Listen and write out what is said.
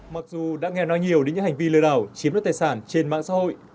mặc dù đã nghe nói nhiều đến những hành vi lừa đảo chiếm đất tài sản trên mạng xã hội